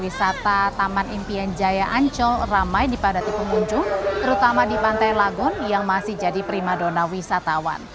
wisata taman impian jaya ancol ramai dipadati pengunjung terutama di pantai lagon yang masih jadi prima dona wisatawan